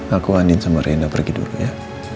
aku andiin sama reinda pergi dulu ya